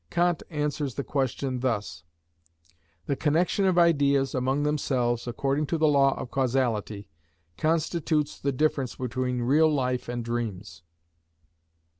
Kant answers the question thus: "The connection of ideas among themselves, according to the law of causality, constitutes the difference between real life and dreams."